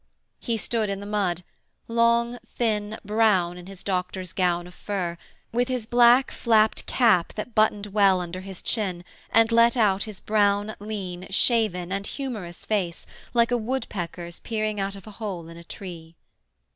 He stood in the mud: long, thin, brown in his doctor's gown of fur, with his black flapped cap that buttoned well under his chin and let out his brown, lean, shaven and humorous face like a woodpecker's peering out of a hole in a tree.